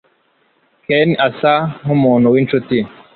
Ken asa nkumuntu winshuti.